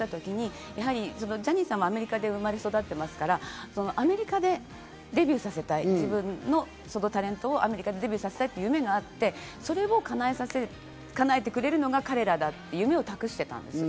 ジャニーズ事務所を作った時に、ジャニーさんもアメリカで生まれ育ってますから、アメリカでデビューさせたい、自分のタレントをアメリカでデビューさせたいという夢があって、それを叶えてくれるのが彼らだっていう夢を託してたんです。